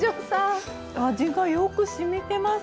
味がよくしみてます。